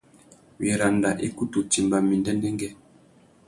Wiranda i kutu timba mí ndêndêngüê.